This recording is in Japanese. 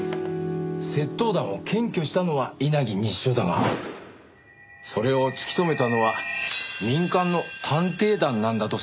窃盗団を検挙したのは稲城西署だがそれを突き止めたのは民間の探偵団なんだとさ。